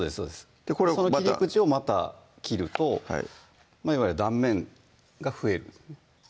これをまたその切り口をまた切るといわゆる断面が増えるんですね